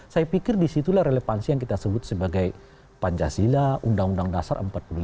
saya pikir disitulah relevansi yang kita sebut sebagai pancasila undang undang dasar empat puluh lima